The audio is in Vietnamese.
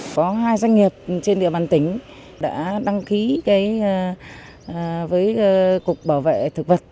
có hai doanh nghiệp trên địa bàn tỉnh đã đăng ký với cục bảo vệ thực vật